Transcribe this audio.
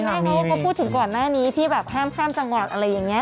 ใช่เขาก็พูดถึงก่อนหน้านี้ที่แบบห้ามข้ามจังหวัดอะไรอย่างนี้